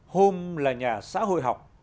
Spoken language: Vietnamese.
hôn là nhà xã hội học